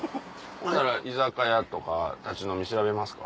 ほんだら居酒屋とか立ち飲み調べますか？